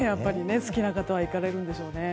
好きな方は行かれるんでしょうね。